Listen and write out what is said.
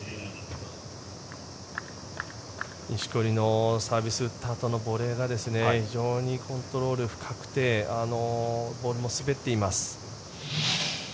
錦織サービス打ったあとのボレーが非常にコントロール深くてボールも滑っています。